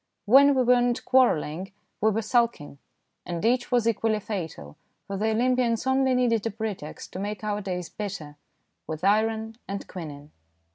When we were not quarrel ling we were sulking, and each was equally fatal, for the Olympians only needed a pre text to make our days bitter with iron and quinine.